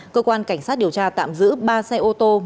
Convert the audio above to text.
cơ quan cảnh sát điều tra tạm giữ ba xe ô tô